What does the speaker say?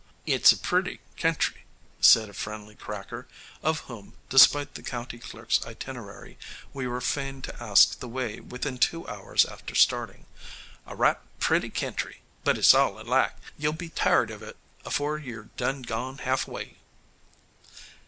"It's a pretty kentry," said a friendly "Cracker," of whom, despite the county clerk's itinerary, we were fain to ask the way within two hours after starting "a right pretty kentry, but it's all alike. You'll be tired of it afore you're done gone halfway."